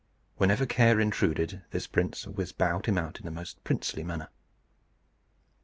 Whenever Care intruded, this prince always bowed him out in the most princely manner.